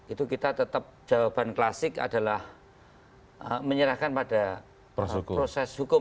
itu kita tetap jawaban klasik adalah menyerahkan pada proses hukum